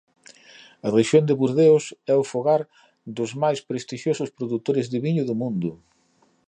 A rexión de Bordeos é fogar dos máis prestixiosos produtores de viño do mundo.